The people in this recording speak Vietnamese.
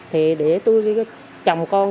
thì để tôi với chồng con